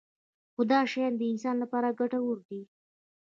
خو دا شیان د انسان لپاره ګټور دي.